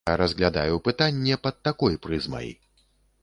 Я разглядаю пытанне пад такой прызмай.